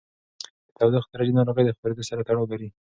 د تودوخې درجې د ناروغۍ خپرېدو سره تړاو لري.